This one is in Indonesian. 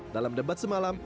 dalam debat semalam